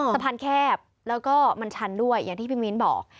สะพานแคบแล้วก็มันชันด้วยอย่างที่พี่มิ้นบอก